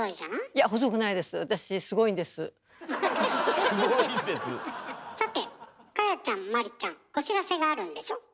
さて果耶ちゃんマリちゃんお知らせがあるんでしょ？